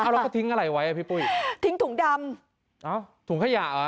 แล้วเขาทิ้งอะไรไว้อ่ะพี่ปุ้ยทิ้งถุงดำเอ้าถุงขยะเหรอ